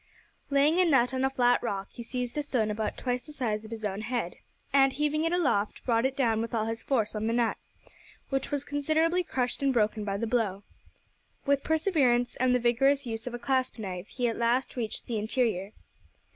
Laying a nut on a flat rock, he seized a stone about twice the size of his own head, and, heaving it aloft, brought it down with all his force on the nut, which was considerably crushed and broken by the blow. With perseverance and the vigorous use of a clasp knife he at last reached the interior.